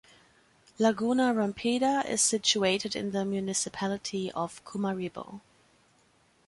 Laguna Rompida is situated in the municipality of Cumaribo.